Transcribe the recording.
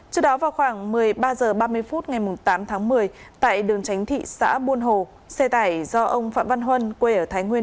trước đó vào khoảng một mươi ba h ba mươi phút ngày tám tháng một mươi tại đường tránh thị xã buôn hồ xe tải do ông phạm văn huân quê ở thái nguyên